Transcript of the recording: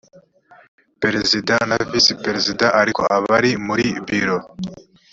perezida na visi perezida ariko abari muri biro